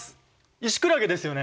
イシクラゲですよね？